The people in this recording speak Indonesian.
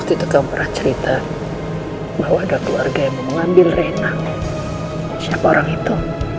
itu kamu pernah cerita bahwa ada keluarga yang mau mengambil renang siapa orang itu